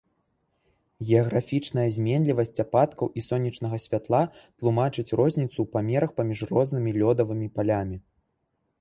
Геаграфічная зменлівасць ападкаў і сонечнага святла тлумачыць розніцу ў памерах паміж рознымі лёдавымі палямі.